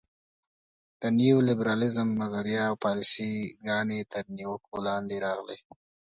د نیولیبرالیزم نظریه او پالیسي ګانې تر نیوکو لاندې راغلي.